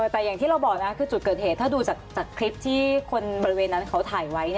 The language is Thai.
แต่อย่างที่เราบอกนะคือจุดเกิดเหตุถ้าดูจากคลิปที่คนบริเวณนั้นเขาถ่ายไว้